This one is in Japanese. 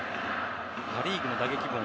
パ・リーグの打撃部門